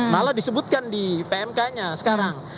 malah disebutkan di pmk nya sekarang